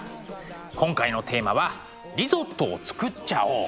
今回のテーマは「リゾットを作っちゃおう！」。